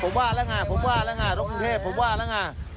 ผมว่าแล้วไงผมว่าแล้วไงตรงกรุงเทพผมว่าแล้วไง